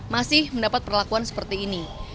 masih mendapat perlakuan seperti ini